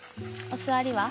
お座りは？